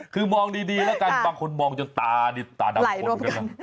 คือมองดีแล้วกันบางคนมองจนตาดับคน